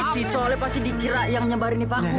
si soleh pasti dikira yang nyebarin nih pahu